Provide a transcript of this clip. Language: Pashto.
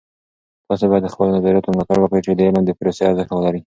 تاسې باید د خپلو نظریاتو ملاتړ وکړئ چې د علم د پروسې ارزښت لري.